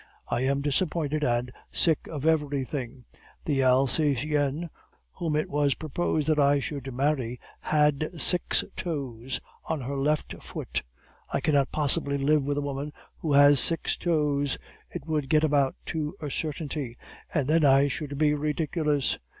I am disappointed and sick of everything. The Alsacienne, whom it was proposed that I should marry, had six toes on her left foot; I cannot possibly live with a woman who has six toes! It would get about to a certainty, and then I should be ridiculous.